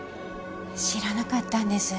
知らなかったんです。